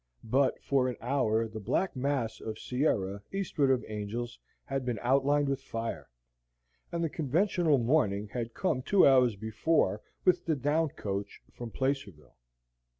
But for an hour the black mass of Sierra eastward of Angel's had been outlined with fire, and the conventional morning had come two hours before with the down coach from Placerville.